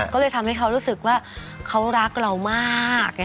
ก็เลยทำให้เขารู้สึกว่าเขารักเรามาก